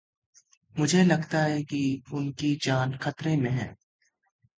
मुझे लगता है कि उनकी जान ख़तरे में है।